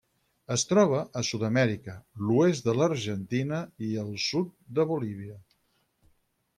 Es troba a Sud-amèrica: l'oest de l'Argentina i el sud de Bolívia.